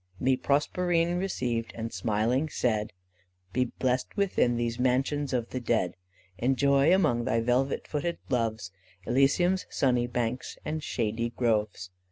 Me Proserpine received, and smiling said, "Be bless'd within these mansions of the dead; Enjoy among thy velvet footed loves, Elysium's sunny banks and shady groves."